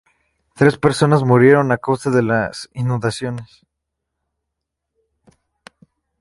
Tres personas murieron a causa de las inundaciones.